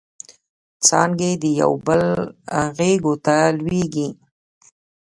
څانګې د یوبل غیږو ته لویږي